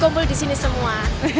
kumpul disini semua